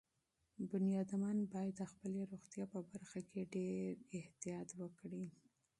انسانان باید د خپلې روغتیا په برخه کې ډېر احتیاط وکړي.